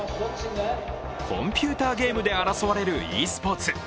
コンピューターゲームで争われるｅスポーツ。